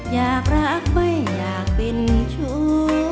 อยากรักไม่อยากเป็นชู้